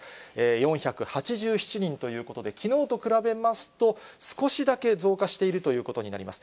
４８７人ということで、きのうと比べますと、少しだけ増加しているということになります。